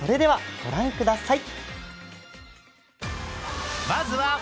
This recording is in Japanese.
ご覧ください。